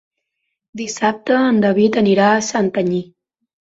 Dissabte en David anirà a Santanyí.